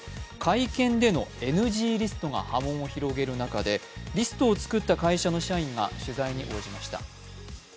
会見でのＮＧリストが波紋を広げる中でリストを作った会社の社員が取材に応じました